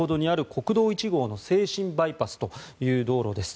国道１号の静清バイパスという道路です。